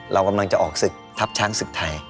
เรากำลังจะออกศึกทัพช้างศึกไทย